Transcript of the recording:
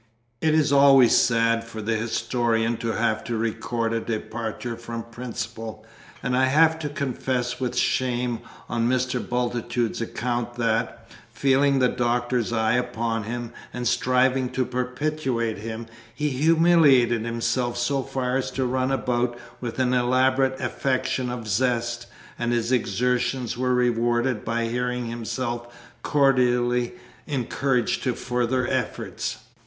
It is always sad for the historian to have to record a departure from principle, and I have to confess with shame on Mr. Bultitude's account that, feeling the Doctor's eye upon him, and striving to propitiate him, he humiliated himself so far as to run about with an elaborate affection of zest, and his exertions were rewarded by hearing himself cordially encouraged to further efforts.